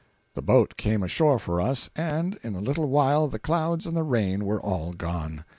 The boat came ashore for us, and in a little while the clouds and the rain were all gone.